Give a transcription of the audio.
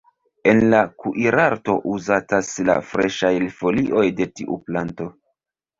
En la kuirarto uzatas la freŝaj folioj de tiu planto.